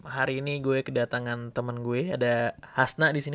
hari ini gue kedatangan teman gue ada hasna disini